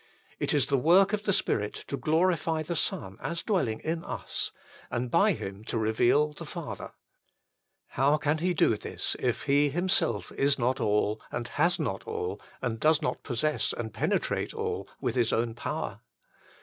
It is the work of the Spirit to glorify the Son as dwelling in us, and by Him to reveal the Father ; how can He do this if He Himself is not All and has not All and does not possess and penetrate All with His own power